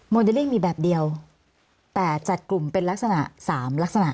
เดลลิ่งมีแบบเดียวแต่จัดกลุ่มเป็นลักษณะสามลักษณะ